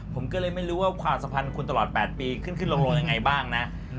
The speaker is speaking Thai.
ผมก็เลยไม่รู้ว่าความสัมพันธ์คุณตลอด๘ปีขึ้นขึ้นลงยังไงบ้างนะ